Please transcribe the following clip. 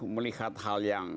melihat hal yang